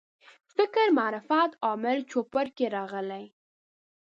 فکر معرفت عامل چوپړ کې راغلي.